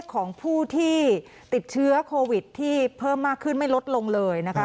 ของผู้ที่ติดเชื้อโควิดที่เพิ่มมากขึ้นไม่ลดลงเลยนะคะ